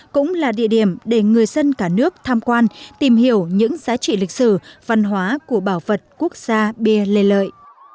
cũng là địa điểm để người dân cả nước tham quan tìm hiểu những giá trị lịch sử văn hóa của bảo vật quốc gia bia lê lợi